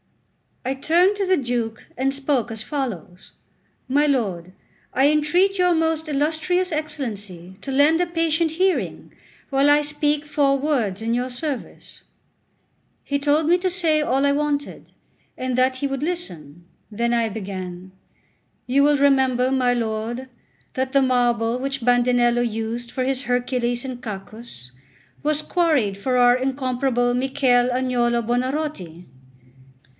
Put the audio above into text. I turned to the Duke and spoke as follows: "My lord, I entreat your most illustrious Excellency to lend a patient hearing while I speak four words in your service." He told me to say all I wanted, and that he would listen. Then I began: "You will remember, my lord, that the marble which Bandinello used for his Hercules and Cacus was quarried for our incomparable Michel Agnolo Buonarroti.